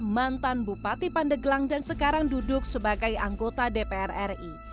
mantan bupati pandeglang dan sekarang duduk sebagai anggota dpr ri